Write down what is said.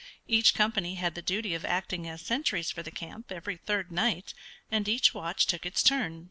Each company had the duty of acting as sentries for the camp every third night, and each watch took its turn.